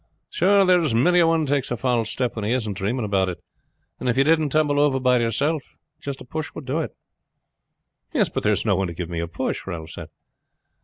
"Sure, there is many a one takes a false step when he isn't dreaming about it; and if ye didn't tumble over by yourself, just a push would do it." "Yes, but there is no one to give one a push," Ralph said.